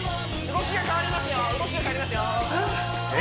動きが変わりますよえ